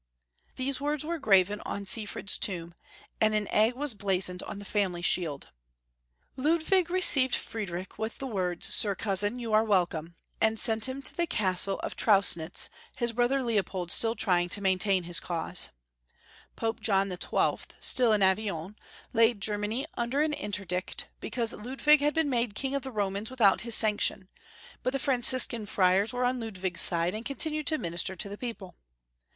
These words were graven on Sifred's tomb, and an egg was blazoned on the family shield. HHiNHita m. Ludwig received Friedrich with the words, " Sir cousin, you are welcome," and sent him to the Castle of Trausnitz, his brother Leopold still trying to maintain his cause. Pope John the XXII., still 214 Young Folks* History of Q ermany. in Avignon, laid Germany under an interdict be cause Ludwig liad been made King of the Romans without liis sanction, but the Franciscan fiiars were on Ludwig's side, and continued to muiister to the people.